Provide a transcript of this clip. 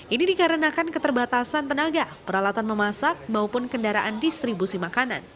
ini dikarenakan keterbatasan tenaga peralatan memasak maupun kendaraan distribusi makanan